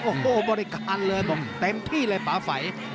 โอ้โหบริการเลยแปมที่เลยปะไฝ